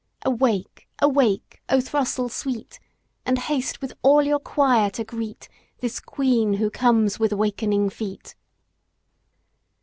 Awake! awake, O throstle sweet! And haste with all your choir to greet This Queen who comes with wakening feet.